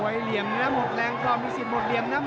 ไว้เหลี่ยงนะหมดแรงพร้อมมีสิทธิ์หมดเหลี่ยงนะ